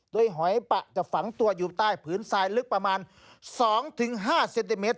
โดยหอยปะจะฝังตัวอยู่ใต้ผืนทรายลึกประมาณ๒๕เซนติเมตร